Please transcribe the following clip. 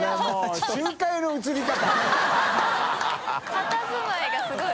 たたずまいがすごい。